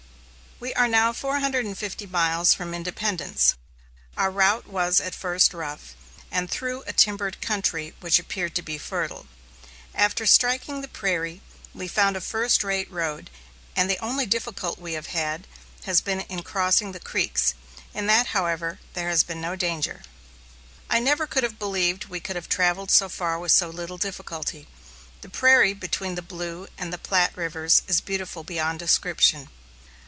We are now four hundred and fifty miles from Independence. Our route at first was rough, and through a timbered country, which appeared to be fertile. After striking the prairie, we found a first rate road, and the only difficulty we have had, has been in crossing the creeks. In that, however, there has been no danger. I never could have believed we could have travelled so far with so little difficulty. The prairie between the Blue and the Platte rivers is beautiful beyond description.